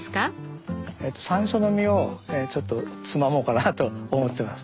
さんしょうの実をちょっとつまもうかなと思ってます。